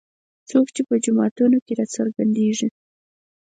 څوک چې په جوماتونو کې راڅرګندېږي.